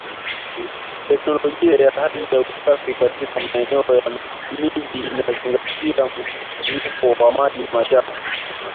Teknolojia ya hali ya usafi katika maeneo ya miji inazingatia mkusanyiko wa maji machafu